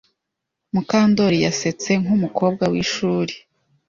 Mukandori yasetse nk'umukobwa w'ishuri.